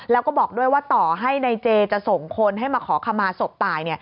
แล้วก็บอกด้วยว่าต่อให้นายเจจะส่งคนให้มาขอขมาศพตาย